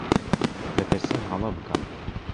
دەترسم هەڵە بکەم.